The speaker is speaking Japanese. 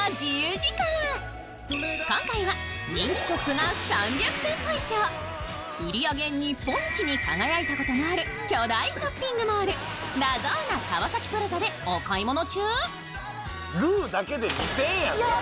今回は人気ショップが３００店以上、売り上げ日本一に輝いたこともある巨大ショッピングモール、ラゾーナ川崎プラザでお買い物。